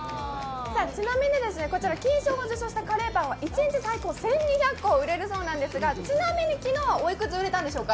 ちなみに、こちら金賞も受賞したカレーパンは１２００個売れるそうなんですが、ちなみに昨日はおいくつ売れたんでしょうか。